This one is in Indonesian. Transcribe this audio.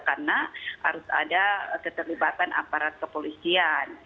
karena harus ada keterlibatan aparat kepolisian